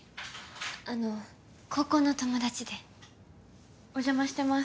あの高校の友達でお邪魔してます